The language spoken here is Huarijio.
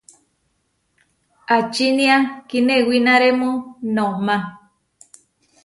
¿Ačinia kinewináremu noʼma?